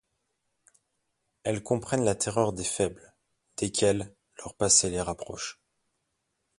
Elles comprennent la terreur des faibles, desquelles leur passé les rapproche.